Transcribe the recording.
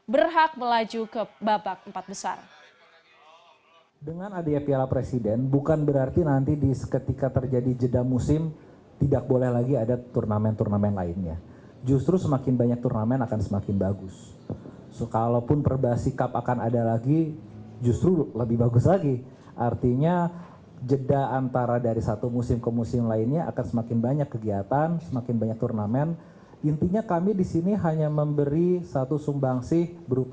berhak melaju ke babak empat besar